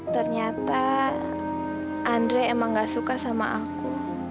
ternyata andre emang gak suka sama aku